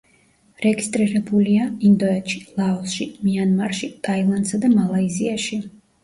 რეგისტრირებულია: ინდოეთში, ლაოსში, მიანმარში, ტაილანდსა და მალაიზიაში.